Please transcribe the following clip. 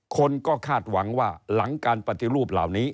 คนก็คาดหวังว่าหลังการปฏิรูปเหล่านี้